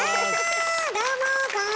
どうも。